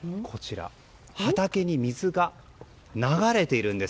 畑に水が流れているんです。